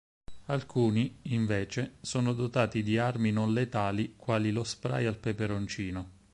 Alcuni, invece, sono dotati di armi non letali quali lo spray al peperoncino.